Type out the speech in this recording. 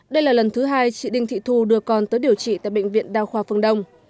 đây là lần thứ hai chị đinh thị thu đưa con tới điều trị tại bệnh viện đa khoa phương đông